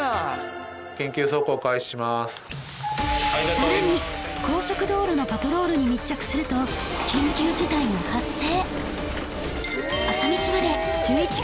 さらに高速道路のパトロールに密着すると緊急事態が発生！